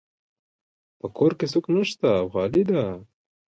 په کور کې څوک نشته او خالی ده